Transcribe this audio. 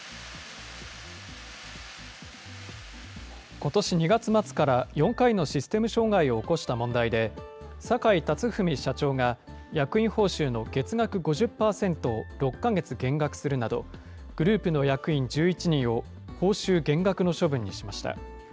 ことし２月末から、４回のシステム障害を起こした問題で、坂井辰史社長が役員報酬の月額５０％を６か月減額するなど、グループの役員１１人を報酬減額の処分にしました。